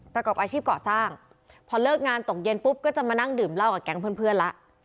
ประกอบอาชีพก่อสร้างพอเลิกงานตกเย็นปุ๊บก็จะมานั่งดื่มเหล้ากับแก๊งเพื่อนละ